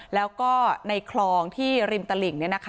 แล้วก็ในคลองที่ริมตลิ่ง